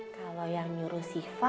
kalau yang nyuruh siva